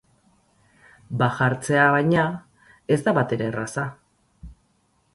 Baja hartzea, baina, ez da batere erraza.